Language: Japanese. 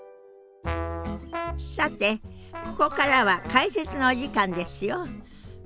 さてここからは解説のお時間ですよ。